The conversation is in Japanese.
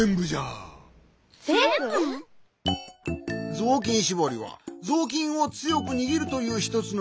ぞうきんしぼりはぞうきんをつよくにぎるというひとつのうごき。